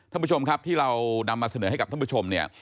ท่านผู้ชมครับที่เรานำมาเสนอให้กับท่านผู้ชมเนี่ย